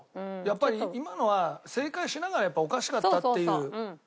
やっぱり今のは正解しながらおかしかったっていう。